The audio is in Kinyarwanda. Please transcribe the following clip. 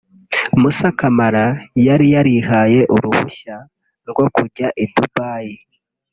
Moussa Camara yari yarihaye uruhushya rwo kujya i Dubai